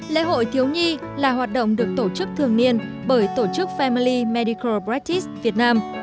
lễ hội thiếu nhi là hoạt động được tổ chức thường niên bởi tổ chức family medical practice việt nam